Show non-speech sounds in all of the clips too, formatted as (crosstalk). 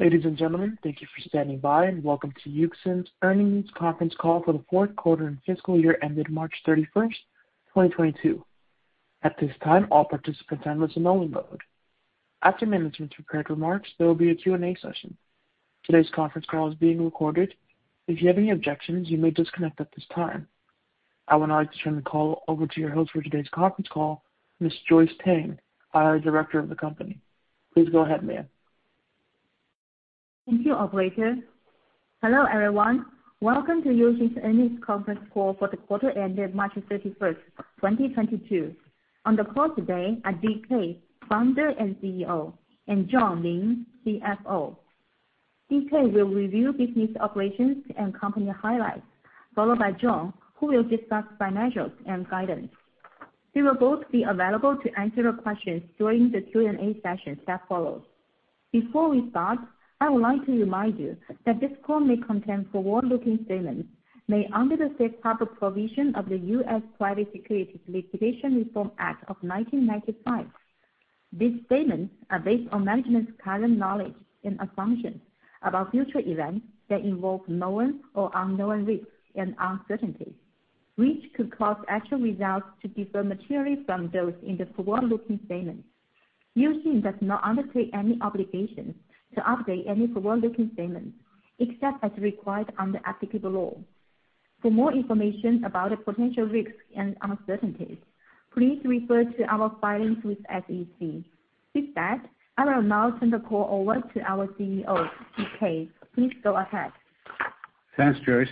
Ladies and gentlemen, thank you for standing by, and welcome to Uxin's earnings conference call for the fourth quarter and fiscal year ended March 31st, 2022. At this time, all participants are in listen only mode. After management's prepared remarks, there will be a Q&A session. Today's conference call is being recorded. If you have any objections, you may disconnect at this time. I would now like to turn the call over to your host for today's conference call, Ms. Joyce Tang, Investor Relations Director of the company. Please go ahead, ma'am. Thank you, operator. Hello, everyone. Welcome to Uxin's earnings conference call for the quarter ended March 31st, 2022. On the call today are DK, Founder and CEO, and John Lin, CFO. DK will review business operations and company highlights, followed by John, who will discuss financials and guidance. They will both be available to answer your questions during the Q&A session that follows. Before we start, I would like to remind you that this call may contain forward-looking statements made under the safe harbor provision of the U.S. Private Securities Litigation Reform Act of 1995. These statements are based on management's current knowledge and assumptions about future events that involve known or unknown risks and uncertainties, which could cause actual results to differ materially from those in the forward-looking statements. Uxin does not undertake any obligations to update any forward-looking statements except as required under applicable law. For more information about the potential risks and uncertainties, please refer to our filings with SEC. With that, I will now turn the call over to our CEO, DK. Please go ahead. Thanks, Joyce.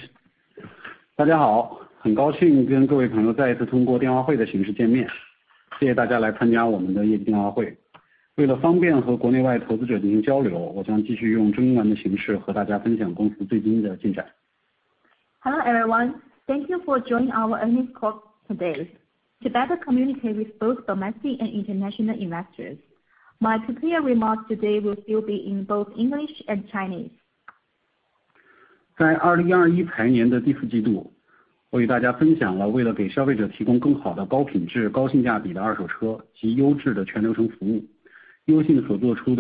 (audio distortion) Hello, everyone. Thank you for joining our earnings call today. To better communicate with both domestic and international investors, my prepared remarks today will still be in both English and Chinese. (audio distortion) In the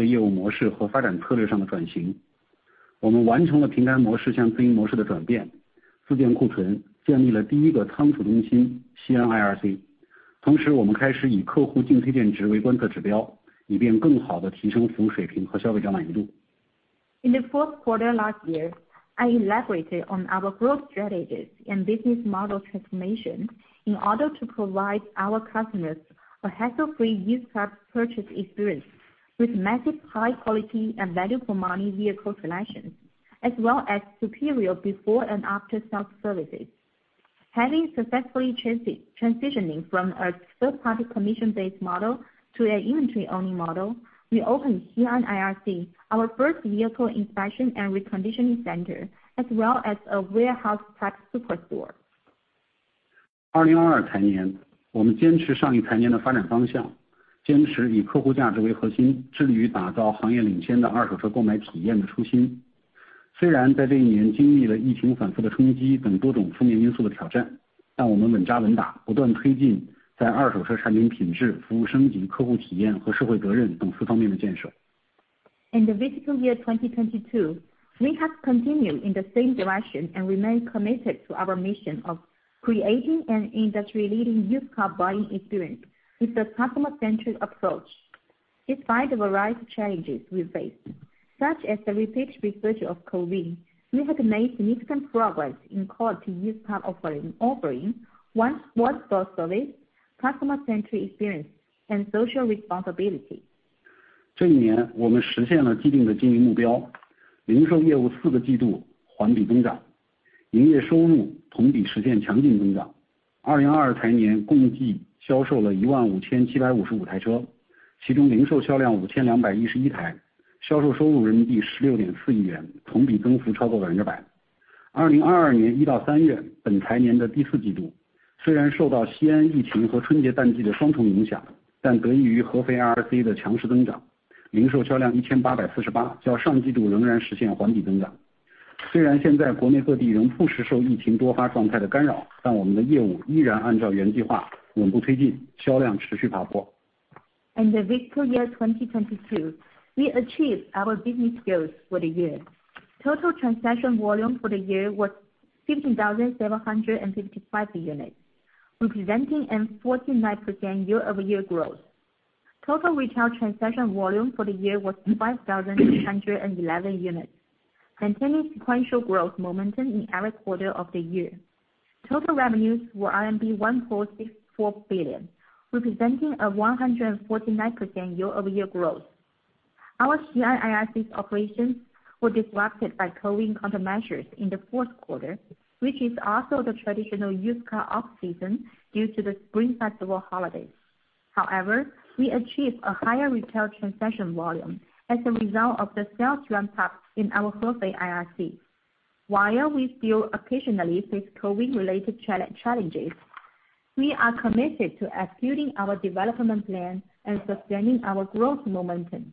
fourth quarter last year, I elaborated on our growth strategies and business model transformation in order to provide our customers a hassle-free used car purchase experience with massive high quality and value for money vehicle collections, as well as superior before and after sales services. Having successfully transitioning from a third party commission-based model to an inventory-owning model, we opened Xi'an IRC, our first vehicle inspection and reconditioning center, as well as a warehouse type super store. (audio distortion) In the fiscal year 2022, we have continued in the same direction and remain committed to our mission of creating an industry leading used car buying experience with a customer-centric approach. Despite the various challenges we face, such as the repeated resurgence of COVID, we have made significant progress in core used car offering one-stop service, customer-centric experience, and social responsibility. In the fiscal year 2022, we achieved our business goals for the year. Total transaction volume for the year was 15,755 units, representing a 49% year-over-year growth. Total retail transaction volume for the year was 5,211 units, maintaining sequential growth momentum in every quarter of the year. Total revenues were RMB 1.64 billion, representing a 149% year-over-year growth. Our Xi'an IRC operations were disrupted by COVID countermeasures in the fourth quarter, which is also the traditional used car off-season due to the Spring Festival holidays. However, we achieved a higher retail transaction volume as a result of the sales ramp-up in our Hefei IRC. While we still occasionally face COVID-related challenges, we are committed to executing our development plan and sustaining our growth momentum.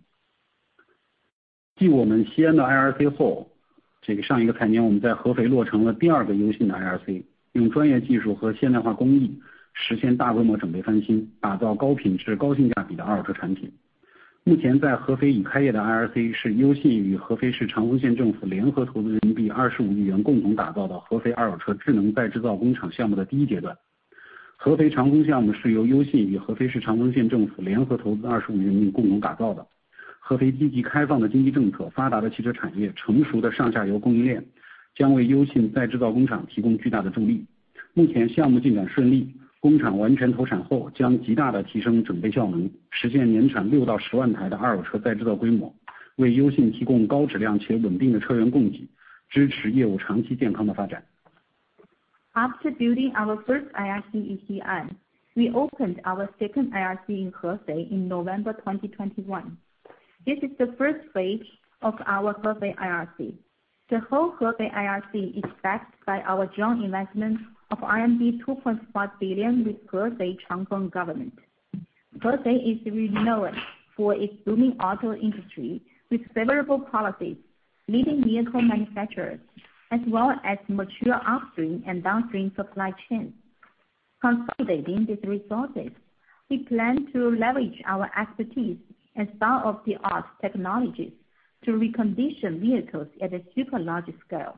After building our first IRC in Xi'an, we opened our second IRC in Hefei in November 2021. This is the first phase of our Hefei IRC. The whole Hefei IRC is backed by our joint investment of 2.4 billion with Hefei Changfeng County Government. Hefei is renowned for its booming auto industry with favorable policies, leading vehicle manufacturers as well as mature upstream and downstream supply chain. Consolidating these resources, we plan to leverage our expertise and state-of-the-art technologies to recondition vehicles at a super large scale.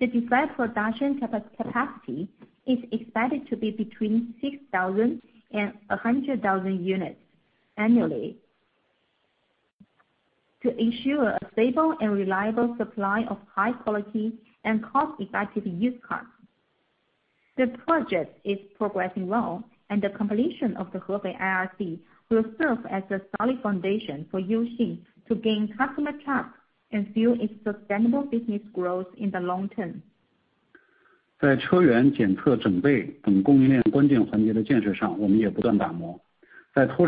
The design production capacity is expected to be between 6,000 and 100,000 units annually to ensure a stable and reliable supply of high quality and cost effective used cars. The project is progressing well and the completion of the Hefei IRC will serve as a solid foundation for Uxin to gain customer trust and fuel its sustainable business growth in the long term. 在车源检测、整备等供应链关键环节的建设上，我们也不断打磨。在拓展车源的拓展上面，我们建立了多元化的出售渠道，包括消费者采购、拍卖平台、主机厂直营店及经销商网络。其中消费者采购作为重要的车源渠道，采购比例在第四季度达到了30%以上。向消费者直接采购有助于降低我们的采购成本，在销售端也可以更好地让利于消费者。In the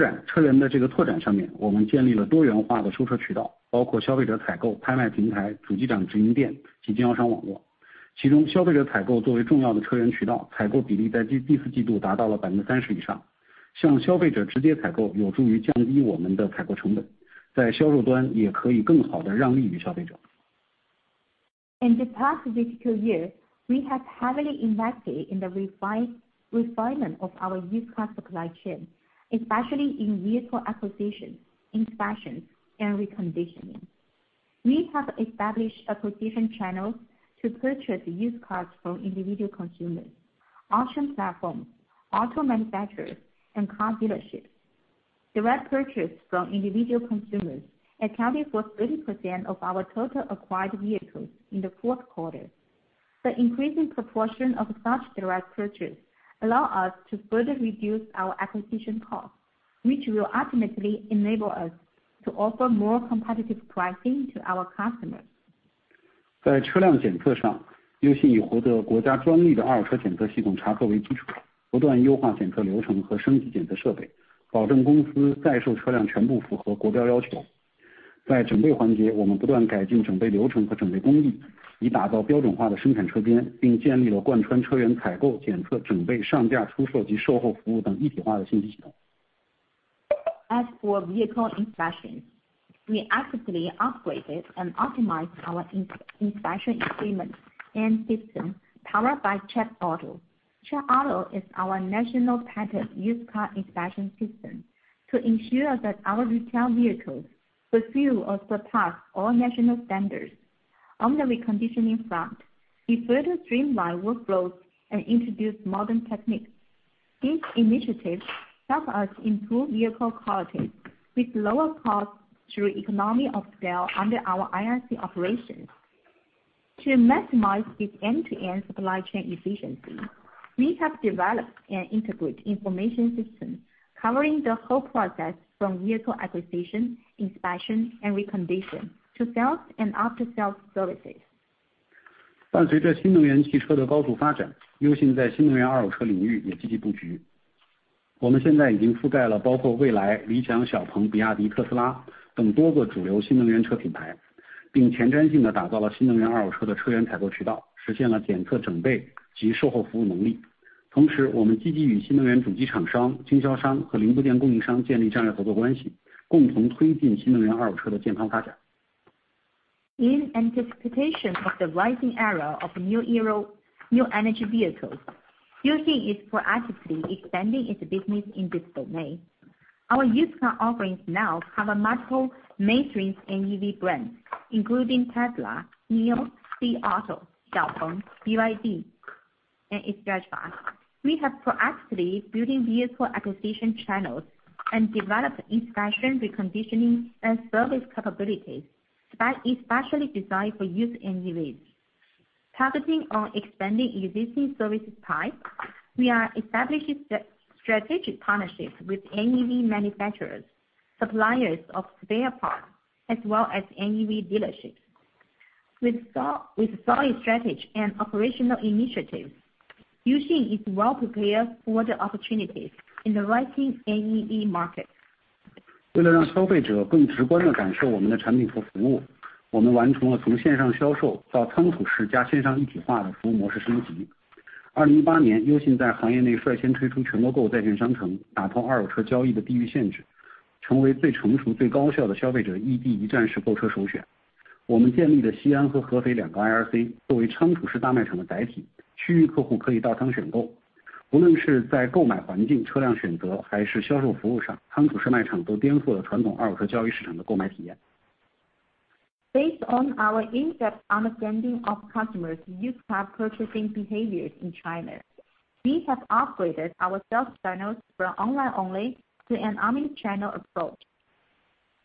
past fiscal year, we have heavily invested in the refinement of our used car supply chain, especially in vehicle acquisition, inspections and reconditioning. We have established acquisition channels to purchase used cars from individual consumers, auction platforms, auto manufacturers and car dealerships. Direct purchase from individual consumers accounted for 30% of our total acquired vehicles in the fourth quarter. The increasing proportion of such direct purchase allow us to further reduce our acquisition costs, which will ultimately enable us to offer more competitive pricing to our customers. 在车辆检测上，优信以获得国家专利的二手车检测系统查客为基础，不断优化检测流程和升级检测设备，保证公司在售车辆全部符合国标要求。在整备环节，我们不断改进整备流程和整备工艺，以打造标准化的生产车间，并建立了贯穿车源采购、检测、整备、上架出售及售后服务等一体化的信息系统。As for vehicle inspection, we actively upgraded and optimized our inspection equipment and system powered by Check Auto. Check Auto is our national patent used car inspection system to ensure that our retail vehicles fulfill or surpass all national standards. On the reconditioning front, we further streamline workflows and introduce modern techniques. These initiatives help us improve vehicle quality with lower costs through economy of scale under our IRC operations. To maximize this end-to-end supply chain efficiency, we have developed an integrated information system covering the whole process from vehicle acquisition, inspection and reconditioning to sales and after sales services. 伴随着新能源汽车的高速发展，优信在新能源二手车领域也积极布局。我们现在已经覆盖了包括蔚来、理想、小鹏、比亚迪、特斯拉等多个主流新能源车品牌，并前瞻性地打造了新能源二手车的车源采购渠道，实现了检测整备及售后服务能力。同时，我们积极与新能源主机厂商、经销商和零部件供应商建立战略合作关系，共同推进新能源二手车的健康发展。In anticipation of the rising era of new energy vehicles, Uxin is proactively expanding its business in this domain. Our used car offerings now have multiple mainstream NEV brands, including Tesla, NIO, XPeng, BYD and Li Auto. We have proactively building vehicle acquisition channels and developed inspection, reconditioning and service capabilities that is specially designed for used NEVs. Targeting on expanding existing service types, we are establishing strategic partnerships with NEV manufacturers, suppliers of spare parts as well as NEV dealerships. With solid strategy and operational initiatives, Uxin is well prepared for the opportunities in the rising NEV market. Based on our in-depth understanding of customers' used car purchasing behaviors in China, we have upgraded our sales channels from online only to an omni-channel approach.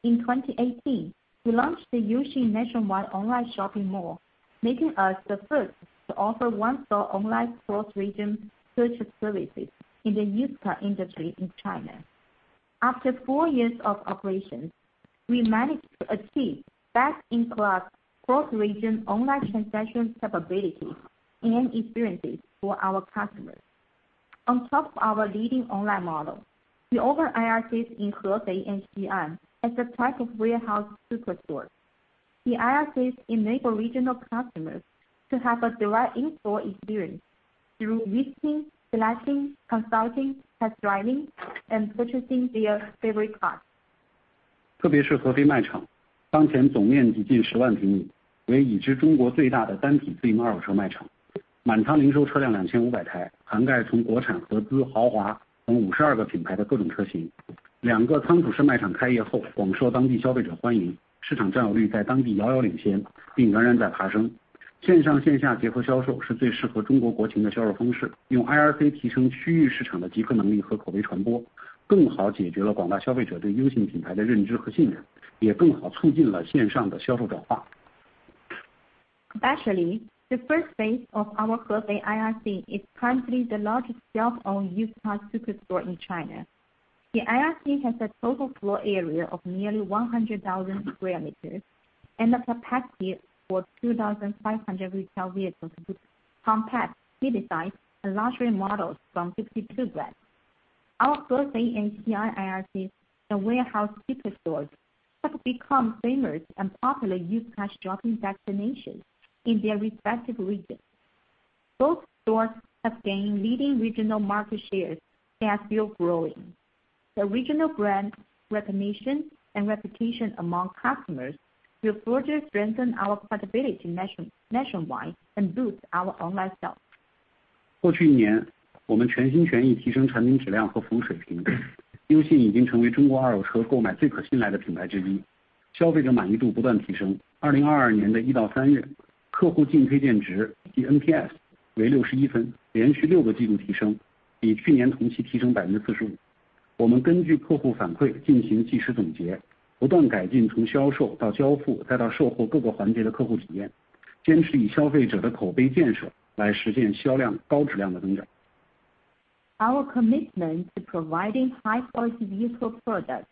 In 2018, we launched the Uxin nationwide online shopping mall, making us the first to offer one-stop online cross-region purchase services in the used car industry in China. After four years of operations, we managed to achieve best-in-class cross-region online transaction capabilities and experiences for our customers. On top of our leading online model, we open IRCs in Hefei and Xi'an as the type of warehouse superstore. The IRCs enable regional customers to have a direct in-store experience through visiting, selecting, consulting, test driving and purchasing their favorite cars. 特别是合肥卖场，当前总面积近十万平米，为已知中国最大的单体经营二手车卖场，满仓零售车辆两千五百台，涵盖从国产、合资、豪华等五十二个品牌的各种车型。两个仓储式卖场开业后，广受当地消费者欢迎，市场占有率在当地遥遥领先，并仍然在爬升。线上线下结合销售是最适合中国国情的销售方式。用IRC提升区域市场的集客能力和口碑传播，更好解决了广大消费者对优信品牌的认知和信任，也更好促进了线上的销售转化。Especially, the first phase of our Hefei IRC is currently the largest self-owned used car superstore in China. The IRC has a total floor area of nearly 100,000 square meters, and a capacity for 2,500 retail vehicles to compact mid-size and luxury models from 52 brands. Our Hefei and Xi'an IRCs, the warehouse superstores, have become famous and popular used car shopping destinations in their respective regions. Both stores have gained leading regional market shares and are still growing. The regional brand recognition and reputation among customers will further strengthen our credibility nationwide and boost our online sales. 过去一年，我们全心全意提升产品质量和服务水平，优信已经成为中国二手车购买最可信赖的品牌之一，消费者满意度不断提升。2022年的一到三月，客户净推荐值，即NPS为61分，连续六个季度提升，比去年同期提升45%。我们根据客户反馈进行及时总结，不断改进从销售到交付再到售后各个环节的客户体验，坚持以消费者的口碑建设来实现销量高质量的增长。Our commitment to providing high quality vehicle products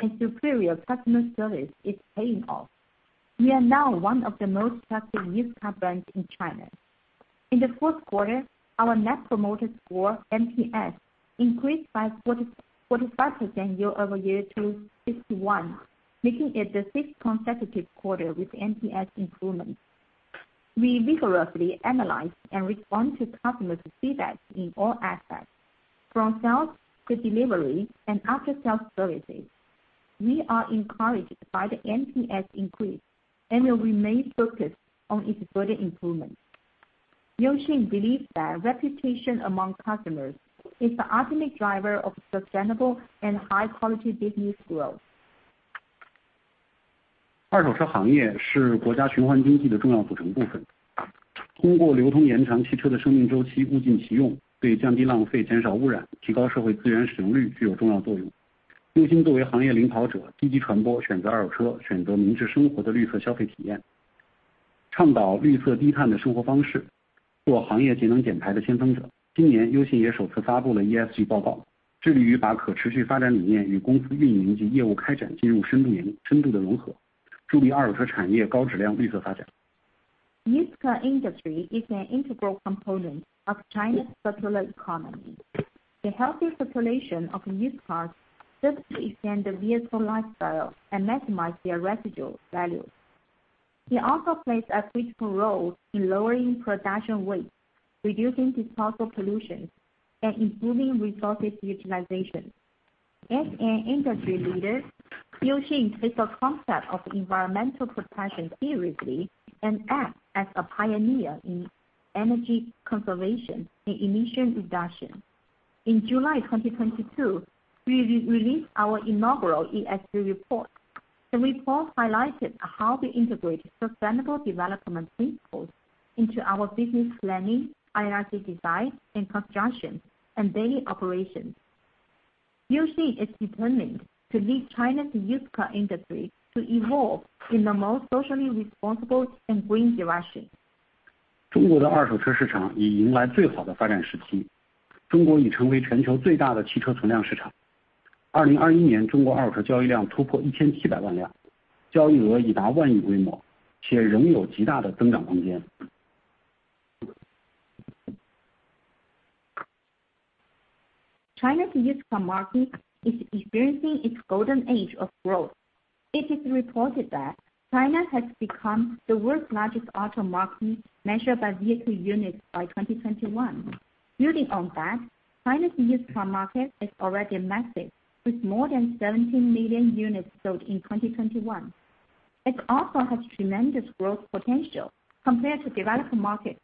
and superior customer service is paying off. We are now one of the most trusted used car brands in China. In the fourth quarter, our net promoter score, NPS, increased by 45% year-over-year to 61, making it the sixth consecutive quarter with NPS improvement. We vigorously analyze and respond to customers' feedbacks in all aspects, from sales to delivery and after sales services. We are encouraged by the NPS increase and will remain focused on its further improvement. Uxin believes that reputation among customers is the ultimate driver of sustainable and high quality business growth. Used car industry is an integral component of China's circular economy. The healthy circulation of used cars effectively extend the vehicle lifestyle and maximize their residual values. It also plays a critical role in lowering production waste, reducing disposal pollutions and improving resources utilization. As an industry leader, Uxin takes the concept of environmental protection seriously, and acts as a pioneer in energy conservation and emission reduction. In July 2022, we re-released our inaugural ESG report. The report highlighted how we integrated sustainable development principles into our business planning, IRC design and construction, and daily operations. Uxin is determined to lead China's used car industry to evolve in the most socially responsible and green direction. 中国的二手车市场已迎来最好的发展时期，中国已成为全球最大的汽车存量市场。2021年，中国二手车交易量突破1,700万辆，交易额已达万亿规模，且仍有极大的增长空间。China's used car market is experiencing its golden age of growth. It is reported that China has become the world's largest auto market, measured by vehicle units, by 2021. Building on that, China's used car market is already massive, with more than 17 million units sold in 2021. It also has tremendous growth potential compared to developed markets.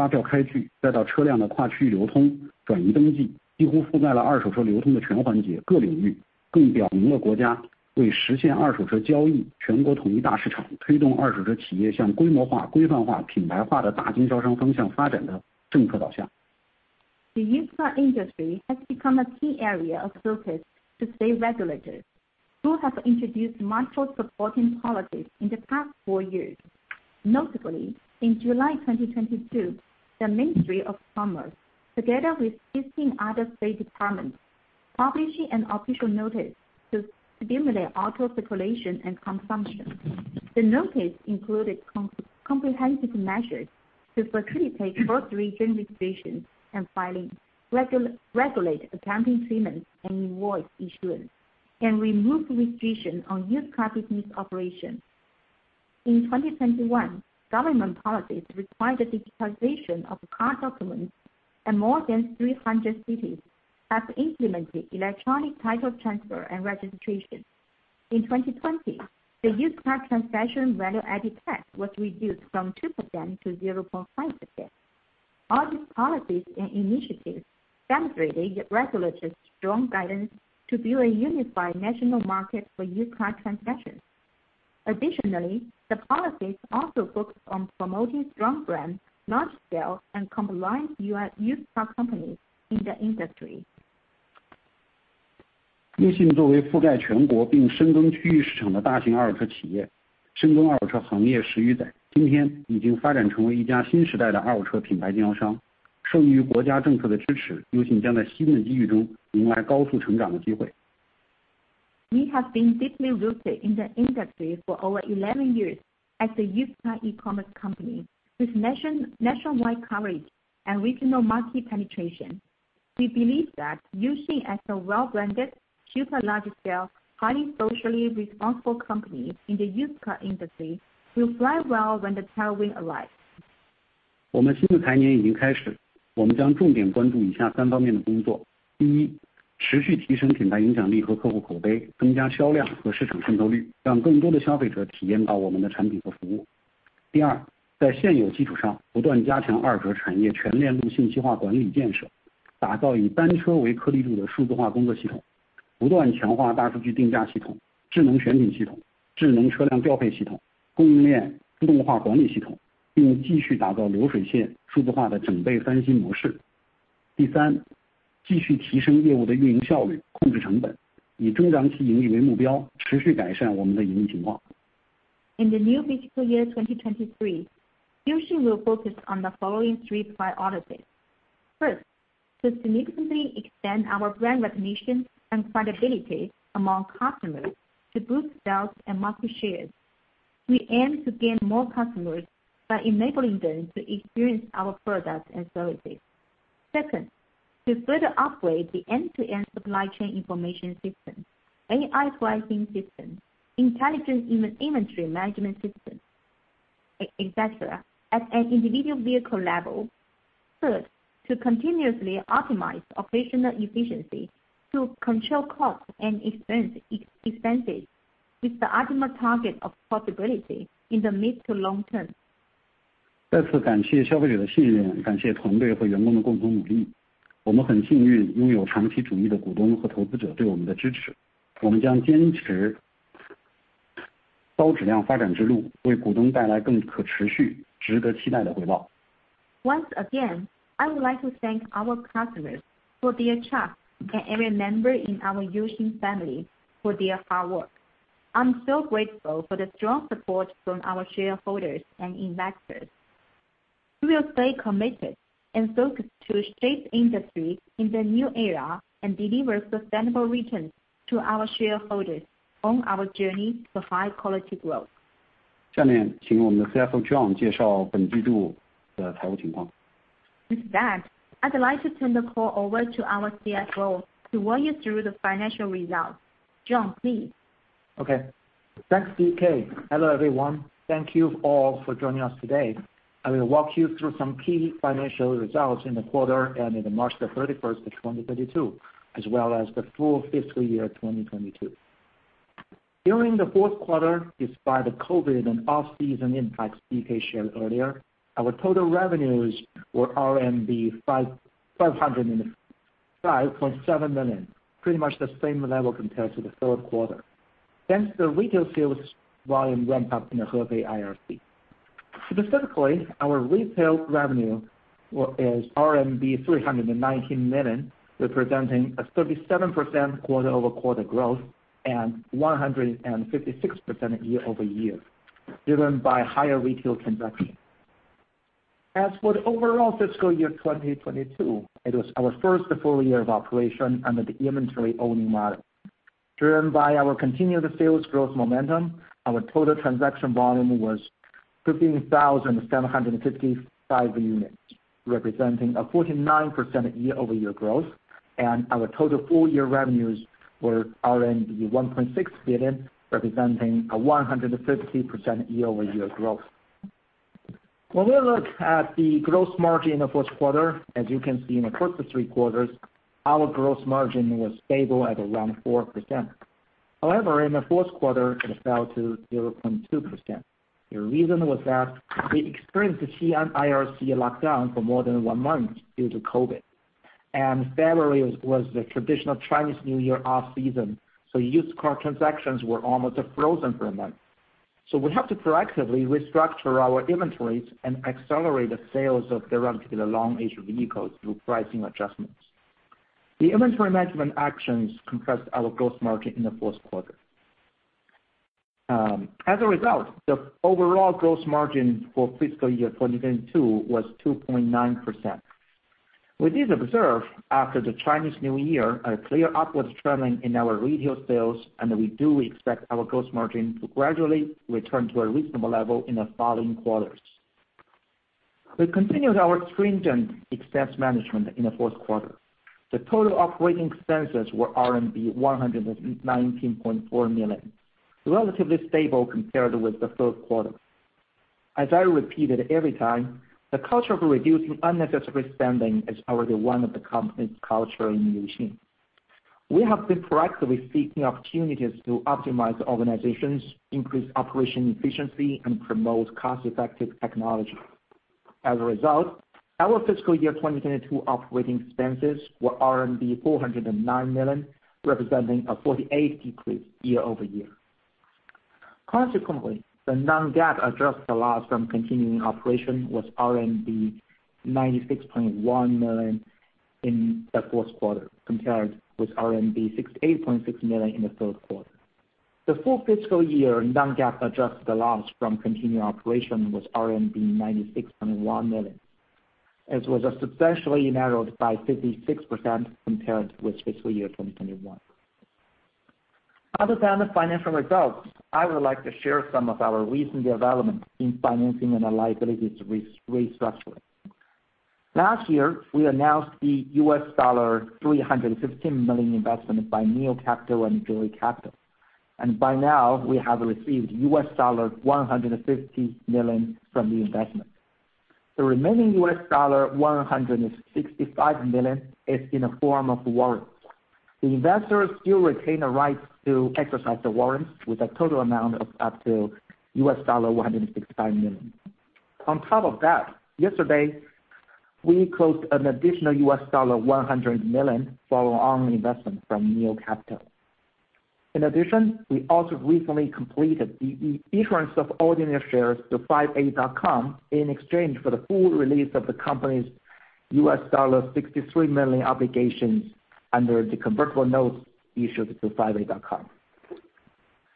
The used car industry has become a key area of focus to state regulators, who have introduced multiple supporting policies in the past four years. Notably, in July 2022, the Ministry of Commerce, together with 15 other state departments, published an official notice to stimulate auto circulation and consumption. The notice included comprehensive measures to facilitate cross-region registration and filing, regulate accounting treatment and invoice issuance, and remove restrictions on used car business operations. In 2021, government policies required the digitalization of car documents, and more than 300 cities have implemented electronic title transfer and registration. In 2020, the used car transaction value-added tax was reduced from 2% to 0.5%. All these policies and initiatives demonstrated regulators' strong guidance to build a unified national market for used car transactions. Additionally, the policies also focused on promoting strong brands, large scale, and compliance used car companies in the industry. 优信作为覆盖全国并深耕区域市场的大型二手车企业，深耕二手车行业十余载，今天已经发展成为一家新时代的二手车品牌经销商，受益于国家政策的支持，优信将在新的机遇中迎来高速成长的机会。We have been deeply rooted in the industry for over 11 years as a used car e-commerce company with nationwide coverage and regional market penetration. We believe that Uxin as a well-branded, super large-scale, highly socially responsible company in the used car industry will fly well when the tailwind arrives. In the new fiscal year 2023, Uxin will focus on the following three priorities. First, to significantly extend our brand recognition and credibility among customers, to boost sales and market shares. We aim to gain more customers by enabling them to experience our products and services. Second, to further upgrade the end-to-end supply chain information system, AI pricing system, intelligence inventory management system, et cetera, at an individual vehicle level. Third, to continuously optimize operational efficiency to control costs and expenses with the ultimate target of profitability in the mid to long term. 再次感谢消费者的信任，感谢团队和员工的共同努力。我们很幸运拥有长期主义的股东和投资者对我们的支持，我们将坚持高质量发展之路，为股东带来更可持续、值得期待的回报。Once again, I would like to thank our customers for their trust and every member in our Uxin family for their hard work. I'm so grateful for the strong support from our shareholders and investors. We will stay committed and focused to shape the industry in the new era and deliver sustainable returns to our shareholders on our journey to high quality growth. 下面请我们的CFO John介绍本季度的财务情况。With that, I'd like to turn the call over to our CFO to walk you through the financial results. John, please. Okay, thanks, DK. Hello, everyone. Thank you all for joining us today. I will walk you through some key financial results in the quarter and into March 31st, 2022, as well as the full fiscal year 2022. During the fourth quarter, despite the COVID and off-season impacts DK shared earlier, our total revenues were 505.7 million, pretty much the same level compared to the third quarter. Thanks to retail sales volume ramp up in the Hefei IRC. Specifically, our retail revenue was RMB 319 million, representing a 37% quarter-over-quarter growth and 156% year-over-year, driven by higher retail transactions. As for the overall fiscal year 2022, it was our first full year of operation under the inventory owning model. Driven by our continued sales growth momentum, our total transaction volume was 15,755 units, representing a 49% year-over-year growth, and our total full year revenues were RMB 1.6 billion, representing a 150% year-over-year growth. When we look at the gross margin in the first quarter, as you can see in the first three quarters, our gross margin was stable at around 4%. However, in the fourth quarter, it fell to 0.2%. The reason was that we experienced the Tianjin IRC lockdown for more than one month due to COVID, and February was the traditional Chinese New Year off-season, so used car transactions were almost frozen for a month. We have to proactively restructure our inventories and accelerate the sales of the relatively long-aged vehicles through pricing adjustments. The inventory management actions compressed our gross margin in the fourth quarter. As a result, the overall gross margin for fiscal year 2022 was 2.9%. We did observe, after the Chinese New Year, a clear upwards trend in our retail sales, and we do expect our gross margin to gradually return to a reasonable level in the following quarters. We continued our stringent expense management in the fourth quarter. The total operating expenses were RMB 119.4 million, relatively stable compared with the third quarter. As I repeated every time, the culture of reducing unnecessary spending is already one of the company's culture in Uxin. We have been proactively seeking opportunities to optimize organizations, increase operation efficiency, and promote cost-effective technology. As a result, our fiscal year 2022 operating expenses were RMB 409 million, representing a 48% decrease year-over-year. Consequently, the non-GAAP adjusted loss from continuing operation was RMB 96.1 million in the fourth quarter compared with RMB 68.6 million in the third quarter. The full fiscal year non-GAAP adjusted loss from continuing operation was RMB 96.1 million. It was substantially narrowed by 56% compared with fiscal year 2021. Other than the financial results, I would like to share some of our recent development in financing and our liabilities restructuring. Last year, we announced the $315 million investment by NIO Capital and Joy Capital. By now, we have received $150 million from the investment. The remaining $165 million is in the form of warrants. The investors still retain the right to exercise the warrants with a total amount of up to $165 million. On top of that, yesterday, we closed an additional $100 million follow-on investment from NIO Capital. In addition, we also recently completed the issuance of ordinary shares to 58.com in exchange for the full release of the company's $63 million obligations under the convertible notes issued to 58.com.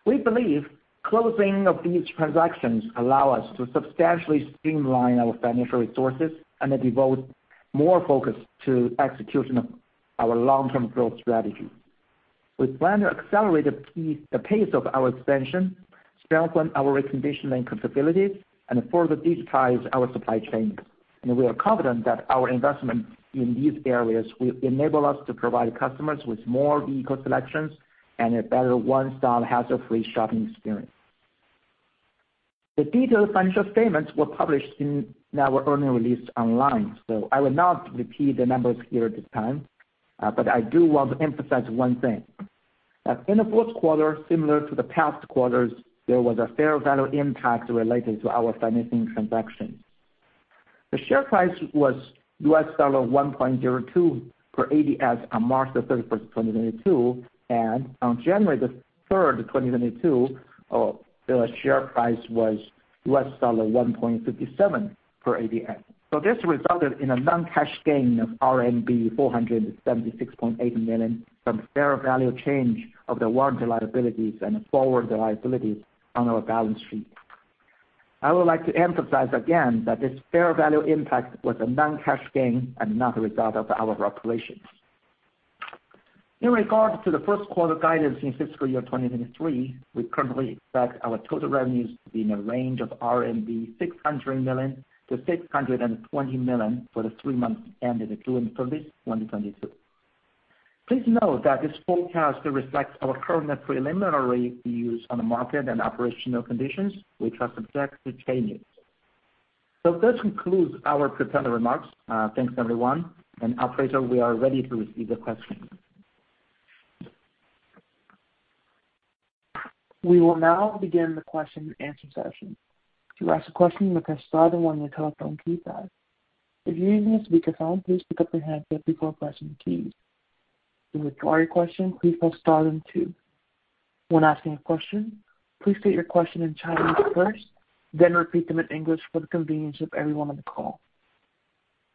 We believe closing of these transactions allow us to substantially streamline our financial resources and devote more focus to execution of our long-term growth strategy. We plan to accelerate the pace of our expansion, strengthen our reconditioning capabilities, and further digitize our supply chain. We are confident that our investment in these areas will enable us to provide customers with more vehicle selections and a better one-stop, hassle-free shopping experience. The detailed financial statements were published in our earnings release online, so I will not repeat the numbers here at this time. But I do want to emphasize one thing, that in the fourth quarter, similar to the past quarters, there was a fair value impact related to our financing transactions. The share price was $1.02 per ADS on March 31st, 2022, and on January 3rd, 2022, the share price was $1.57 per ADS. This resulted in a non-cash gain of RMB 476.8 million from fair value change of the warrant liabilities and forward liabilities on our balance sheet. I would like to emphasize again that this fair value impact was a non-cash gain and not a result of our operations. In regard to the first quarter guidance in fiscal year 2023, we currently expect our total revenues to be in a range of 600 million-620 million RMB for the three months ending June 30th, 2022. Please note that this forecast reflects our current preliminary views on the market and operational conditions, which are subject to changes. This concludes our prepared remarks. Thanks, everyone. Operator, we are ready to receive the questions. We will now begin the question and answer session. To ask a question, press star then one on your telephone keypad. If you're using a speakerphone, please pick up your handset before pressing keys. To withdraw your question, please press star then two. When asking a question, please state your question in Chinese first, then repeat them in English for the convenience of everyone on the call.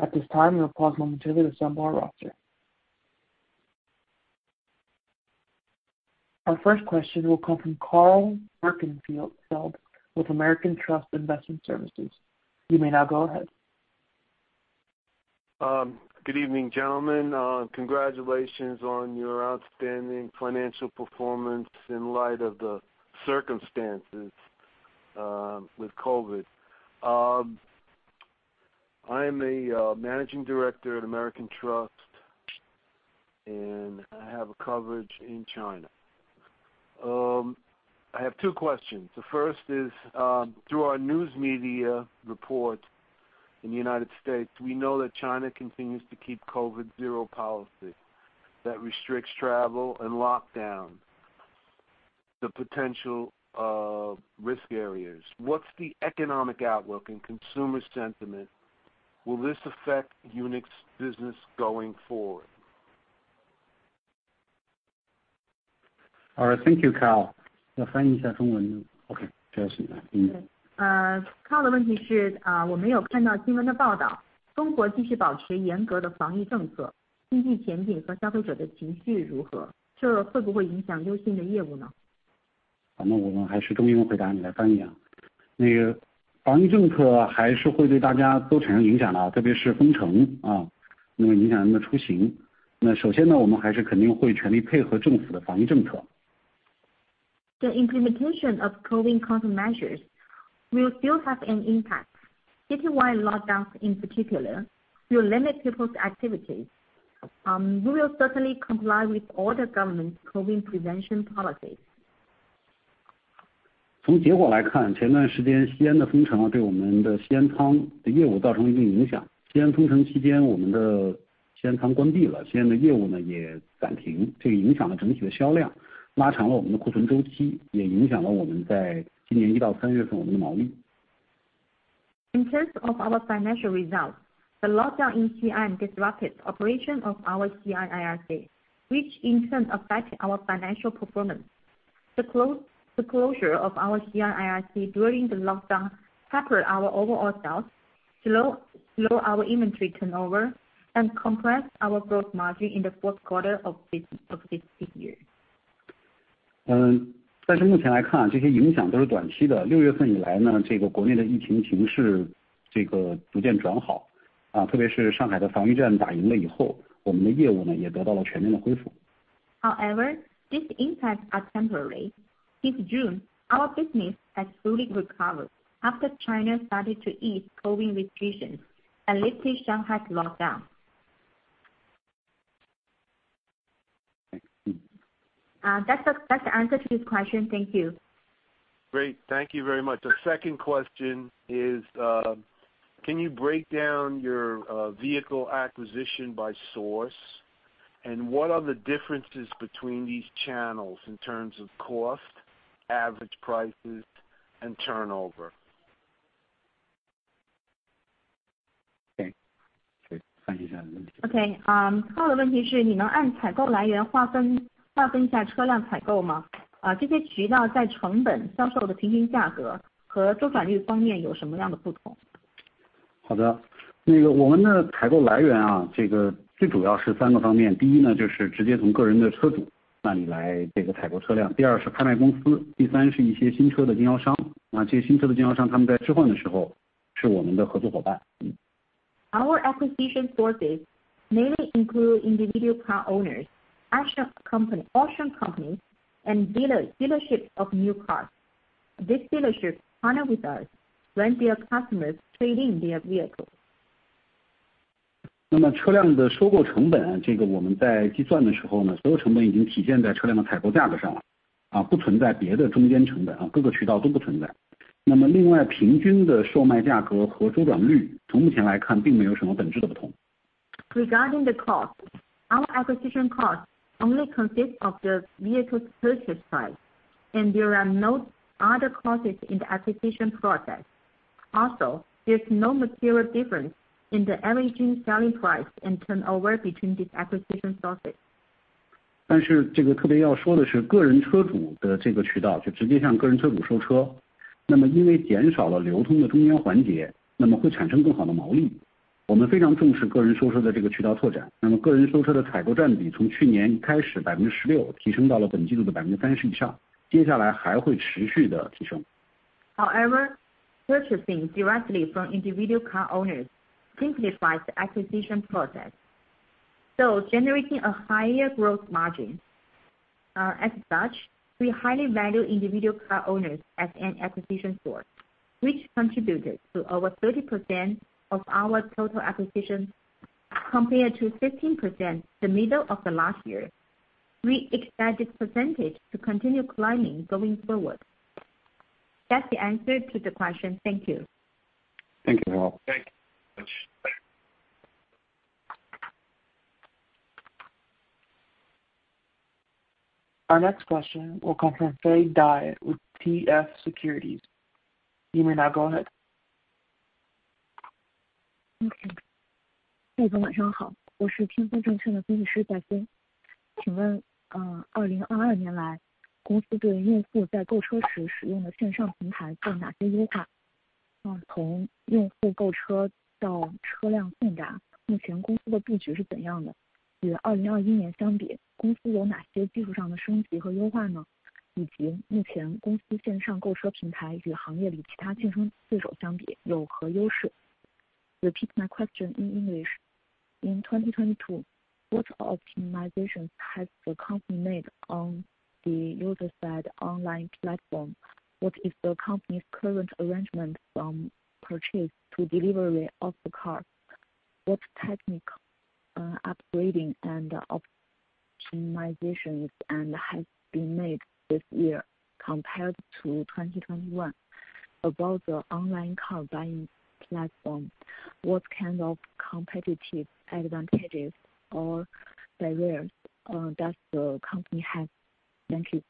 At this time, we will pause momentarily to assemble our roster. Our first question will come from Karl Birkenfeld with American Trust Investment Services. You may now go ahead. Good evening, gentlemen. Congratulations on your outstanding financial performance in light of the circumstances with COVID. I'm a managing director at American Trust, and I have a coverage in China. I have two questions. The first is, through our news media reports in the United States, we know that China continues to keep COVID zero policy that restricts travel and lockdown the potential risk areas. What's the economic outlook and consumer sentiment? Will this affect Uxin business going forward? All right. Thank you, Karl. (audio distortion) (audio distortion) (audio distortion) The implementation of COVID control measures will still have an impact. Citywide lockdowns in particular will limit people's activities. We will certainly comply with all the government's COVID prevention policies. In terms of our financial results, the lockdown in Xi'an disrupted operation of our Xi'an IRC, which in turn affected our financial performance. The closure of our Xi'an IRC during the lockdown disrupted our overall sales, slowed our inventory turnover, and compressed our gross margin in the fourth quarter of this year. (audio distortion) However, this impact is temporary. Since June, our business has fully recovered after China started to ease COVID restrictions and lifted Shanghai's lockdown. That's the answer to this question. Thank you. Great. Thank you very much. The second question is, can you break down your vehicle acquisition by source? And what are the differences between these channels in terms of cost, average prices, and turnover? Okay. (audio distortion) Okay. (audio distortion) (audio distortion) Our acquisition sources mainly include individual car owners, auction companies, and dealerships of new cars. These dealerships partner with us when their customers trade in their vehicles. (audio distortion) Regarding the cost, our acquisition costs only consist of the vehicle's purchase price, and there are no other costs in the acquisition process. Also, there's no material difference in the average selling price and turnover between these acquisition sources. (audio distortion) However, purchasing directly from individual car owners simplifies the acquisition process, so generating a higher gross margin. As such, we highly value individual car owners as an acquisition source, which contributed to over 30% of our total acquisitions compared to 15% the middle of the last year. We expect this percentage to continue climbing going forward. That's the answer to the question. Thank you. Thank you. Thank you very much. Our next question will come from Faye Dai with Tianfeng Securities. You may now go ahead. Faye 晚上好，我是天风证券的分析师 Faye。请问，2022 年来，公司对用户在购车时使用的线上平台做哪些优化？从用户购车到车辆送达，目前公司的布局是怎样的？与 2021 年相比，公司有哪些技术上的升级和优化呢？以及目前公司线上购车平台与行业里其他竞争对手相比有何优势？ Repeat my question in English. In 2022, what optimizations has the company made on the user side online platform? What is the company's current arrangement from purchase to delivery of the car? What technique, upgrading and optimizations and has been made this year compared to 2021? About the online car buying platform, what kind of competitive advantages or barriers does the company have? Thank you.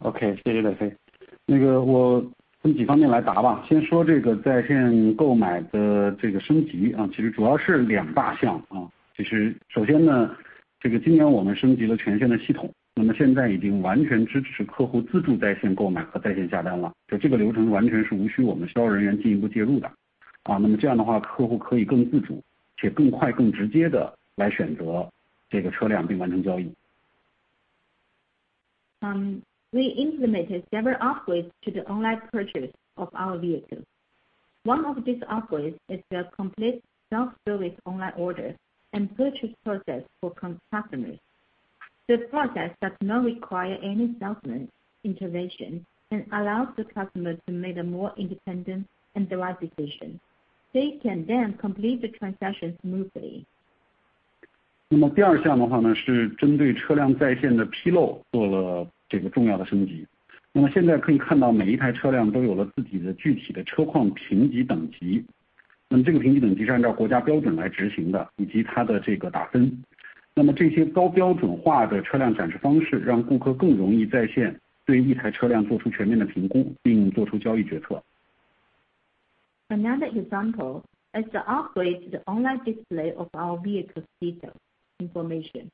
好的，谢谢Faye。那个我从几方面来答吧，先说这个在线购买的这个升级啊，其实主要是两大项啊，就是首先呢，这个今年我们升级了全线的系统，那么现在已经完全支持客户自助在线购买和在线下单了，就这个流程完全是无需我们销售人员进一步介入的。那么这样的话，客户可以更自主且更快更直接地来选择这个车辆并完成交易。We implemented several upgrades to the online purchase of our vehicles. One of these upgrades is the complete self-service online order and purchase process for customers. The process does not require any salesman intervention and allows the customer to make a more independent and the right decision. They can then complete the transaction smoothly. 那么第二项的话呢，是针对车辆在线的披露做了这个重要的升级。那么现在可以看到每一台车辆都有了自己的具体的车况评级等级，那么这个评级等级是按照国家标准来执行的，以及它的这个打分。那么这些高标准化的车辆展示方式，让顾客更容易在线对一台车辆做出全面的评估，并做出交易决策。Another example is the upgrade to the online display of our vehicle's detailed information.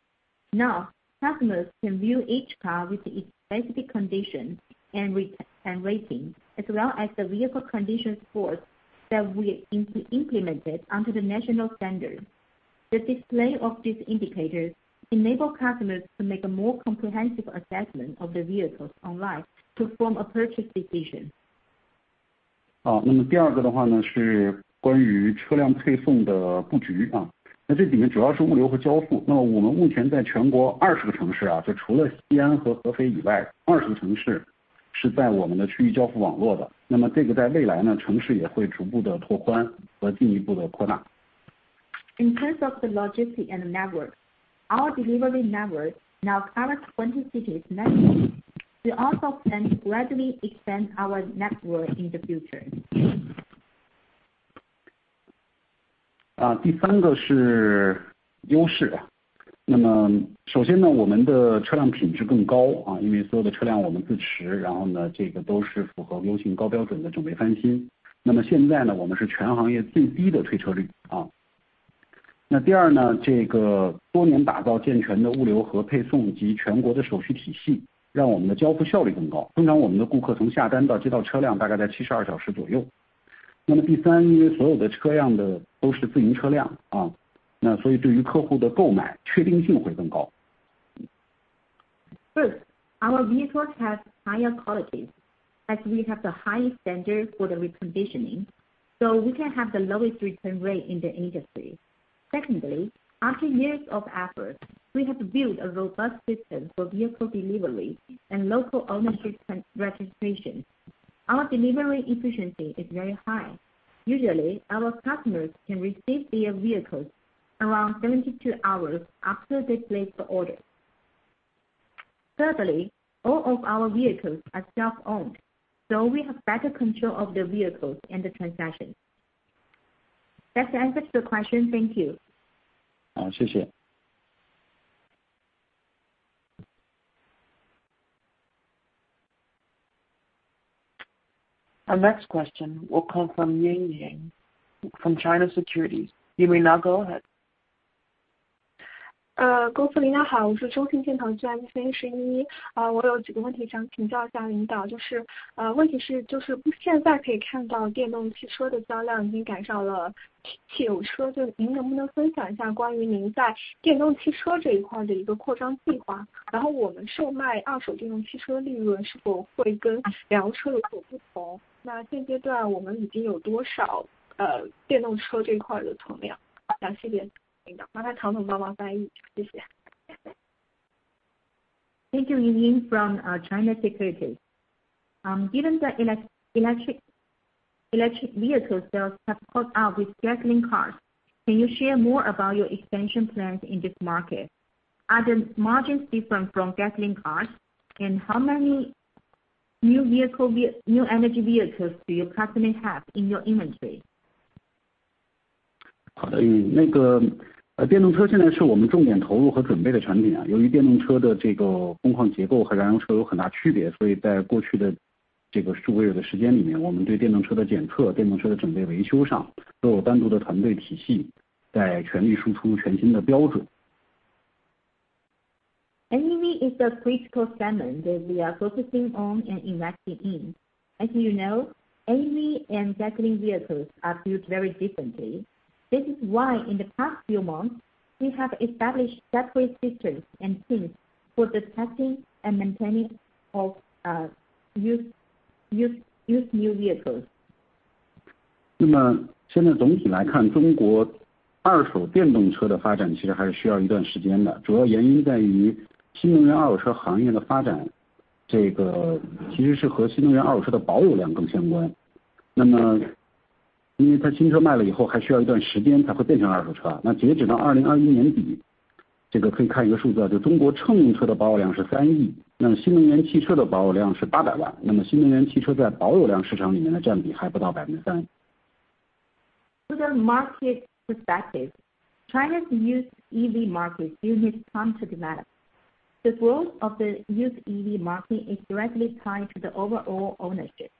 Now, customers can view each car with its specific condition and rating as well as the vehicle condition scores that we implemented under the national standard. The display of these indicators enable customers to make a more comprehensive assessment of the vehicles online to form a purchase decision. 好，那么第二个的话呢，是关于车辆配送的布局啊，那这里面主要是物流和交付。那么我们目前在全国二十个城市啊，就除了西安和合肥以外，二十个城市是在我们的区域交付网络的，那么这个在未来呢，城市也会逐步地拓宽和进一步地扩大。In terms of the logistics and network, our delivery network now covers 20 cities. We also plan to gradually expand our network in the future. 第三个是优势。那么首先呢，我们的车辆品质更高啊，因为所有的车辆我们自持，然后呢这个都是符合优信高标准的准备翻新。那么现在呢，我们是全行业最低的退车率啊。那第二呢，这个多年打造健全的物流和配送及全国的手续体系，让我们的交付效率更高。通常我们的顾客从下单到接到车辆大概在七十二小时左右。那么第三，因为所有的车辆都是自营车辆啊，那所以对于客户的购买确定性会更高。First, our vehicles have higher quality as we have the highest standard for the reconditioning, so we can have the lowest return rate in the industry. Secondly, after years of effort, we have built a robust system for vehicle delivery and local ownership registration. Our delivery efficiency is very high. Usually, our customers can receive their vehicles around 72 hours after they place the order. Thirdly, all of our vehicles are self-owned, so we have better control of the vehicles and the transaction. That answers your question, thank you. 好，谢谢。Our next question will come from Ying Ying from China Securities. You may now go ahead. Thank you, Ying Ying from China Securities. Given the electric vehicle sales have caught up with gasoline cars, can you share more about your expansion plans in this market? Are the margins different from gasoline cars? How many new energy vehicles do your customers have in your inventory. 好的，电动车现在是我们重点投入和准备的产品。由于电动车的工况结构和燃油车有很大区别，所以在过去的数个月的时间里面，我们对电动车的检测、电动车的准备维修上都有单独的团队体系在全力输出全新的标准。NEV is the critical segment that we are focusing on and investing in. As you know, NEV and gasoline vehicles are built very differently. This is why in the past few months, we have established separate systems and teams for the testing and maintaining of used New Energy Vehicles. 那么现在总体来看，中国二手电动车的发展其实还是需要一段时间的，主要原因在于新能源二手车行业的发展，这个其实是和新能源二手车的保有量更相关。那么因为它新车卖了以后还需要一段时间才会变成二手车。那截止到2021年底，这个可以看一个数字，就中国乘用车的保有量是三亿，那么新能源汽车的保有量是八百万，那么新能源汽车在保有量市场里面的占比还不到3%。From the market perspective, China's used EV market is in constant lag. The growth of the used EV market is directly tied to the overall ownership.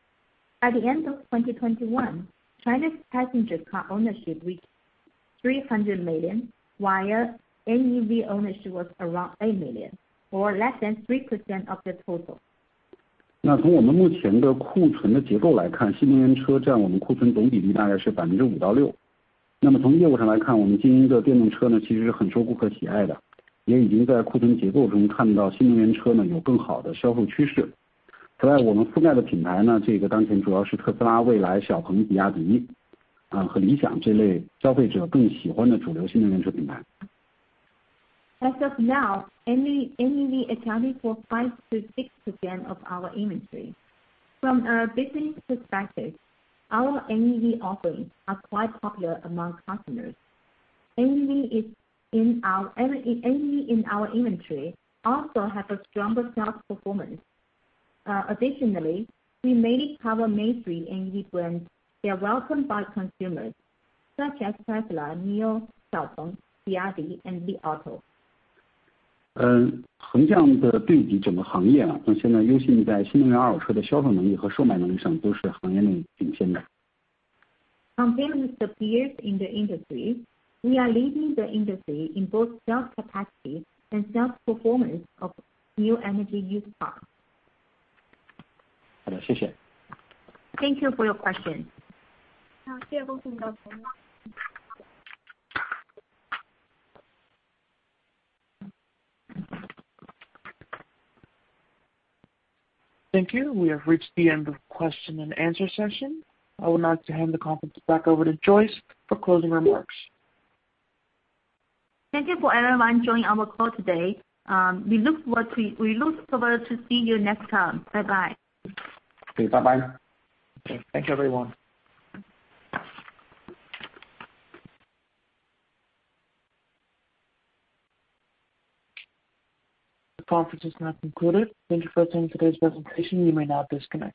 At the end of 2021, China's passenger car ownership reached 300 million, while NEV ownership was around 8 million, or less than 3% of the total. 那从我们目前的库存的结构来看，新能源车占我们库存总比例大概是5%到6%。那么从业务上来看，我们经营的电动车呢，其实是很受顾客喜爱的，也已经在库存结构中看到新能源车呢有更好的销售趋势。此外，我们覆盖的品牌呢，这个当前主要是特斯拉、蔚来、小鹏、比亚迪和理想这类消费者更喜欢的主流新能源车品牌。As of now, NEV accounting for 5%-6% of our inventory. From a business perspective, our NEV offerings are quite popular among customers. NEV in our inventory also have a stronger sales performance. Additionally, we mainly cover mainstream NEV brands. They are welcomed by consumers such as Tesla, NIO, XPeng, BYD and Li Auto. 横向地对比整个行业，那现在优信在新能源二手车的销售能力和售卖能力上都是行业内领先的。Compared with the peers in the industry, we are leading the industry in both sales capacity and sales performance of New Energy used cars. 好的，谢谢。Thank you for your question. 好，谢谢投资人的问题。Thank you. We have reached the end of the question and answer session. I would like to hand the conference back over to Joyce for closing remarks. Thank you for everyone joining our call today. We look forward to seeing you next time. Bye bye. Okay, bye bye. Thank you everyone. The conference is now concluded. Thank you for attending today's presentation. You may now disconnect.